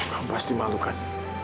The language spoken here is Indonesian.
kamu pasti malukan